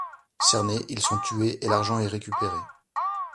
Cernés, ils sont tués et l'argent est récupéré.